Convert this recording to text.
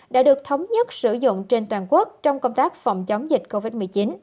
đã được thống nhất sử dụng trên toàn quốc trong công tác phòng chống dịch covid một mươi chín